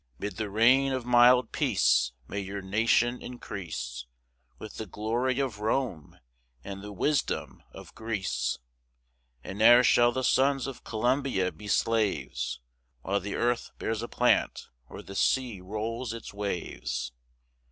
'Mid the reign of mild peace, May your nation increase, With the glory of Rome and the wisdom of Greece; And ne'er shall the sons of Columbia be slaves, While the earth bears a plant, or the sea rolls its waves.